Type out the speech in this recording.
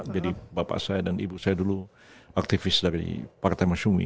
jadi bapak saya dan ibu saya dulu aktivis dari partai masyumi